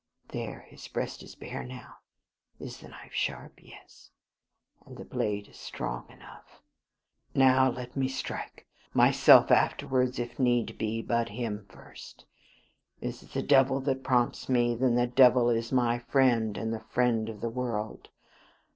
There, his breast is bare now. Is the knife sharp? Yes; and the blade is strong enough. Now let me strike myself afterwards if need be, but him first. Is it the devil that prompts me? Then the devil is my friend, and the friend of the world.